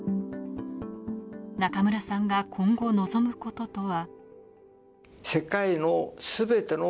中村さんが今後、望むこととは。